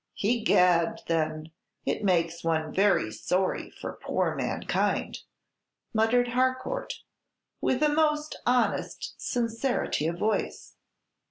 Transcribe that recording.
"Egad, then, it makes one very sorry for poor mankind," muttered Harcourt, with a most honest sincerity of voice.